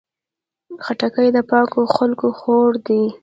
خټکی د پاکو خلکو خوړ دی.